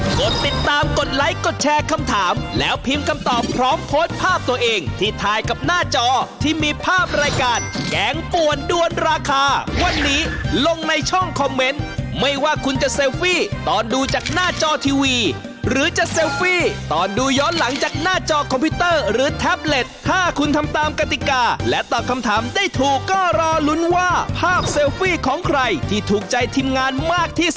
กดติดตามกดไลค์กดแชร์คำถามแล้วพิมพ์คำตอบพร้อมโพสต์ภาพตัวเองที่ถ่ายกับหน้าจอที่มีภาพรายการแกงป่วนด้วนราคาวันนี้ลงในช่องคอมเมนต์ไม่ว่าคุณจะเซลฟี่ตอนดูจากหน้าจอทีวีหรือจะเซลฟี่ตอนดูย้อนหลังจากหน้าจอคอมพิวเตอร์หรือแท็บเล็ตถ้าคุณทำตามกติกาและตอบคำถามได้ถูกก็รอลุ้นว่าภาพเซลฟี่ของใครที่ถูกใจทีมงานมากที่สุด